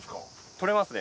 採れますね。